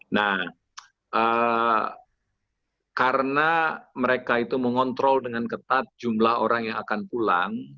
nah karena mereka itu mengontrol dengan ketat jumlah orang yang akan pulang